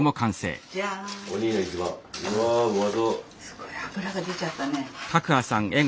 すごい脂が出ちゃったね。